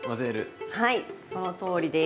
はいそのとおりです。